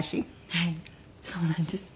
はいそうなんです。